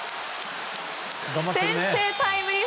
先制タイムリー。